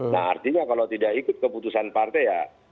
nah artinya kalau tidak ikut keputusan partai ya